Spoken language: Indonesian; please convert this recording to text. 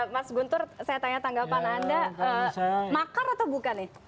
mas guntur saya tanya tanggapan anda makar atau bukan nih